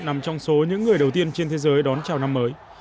nằm trong số những người đầu tiên trên thế giới đón chào năm mới